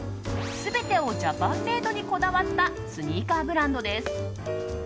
全てをジャパンメイドにこだわったスニーカーブランドです。